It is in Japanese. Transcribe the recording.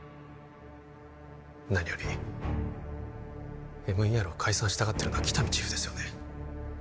何よりＭＥＲを解散したがってるのは喜多見チーフですよね